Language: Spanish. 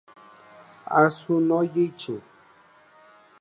Asu no Yoichi!